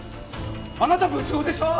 あなた部長でしょ？